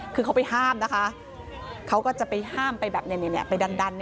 คือเขาไปห้ามนะคะเขาก็จะไปห้ามไปแบบไปดัน